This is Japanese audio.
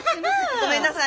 ごめんなさい。